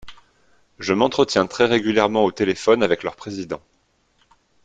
Je m’entretiens très régulièrement au téléphone avec leurs présidents.